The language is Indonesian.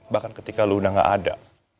bahkan ketika lo udah gak ada